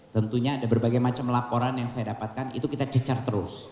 tentunya ada berbagai macam laporan yang saya dapatkan itu kita cecar terus